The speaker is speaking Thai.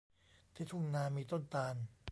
ที่ทุ่งนามีต้นตาล